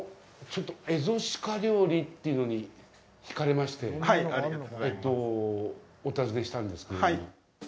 ちょっと、エゾシカ料理っていうのに引かれましてお訪ねしたんですけれども。